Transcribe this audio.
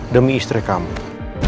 demi istri kamu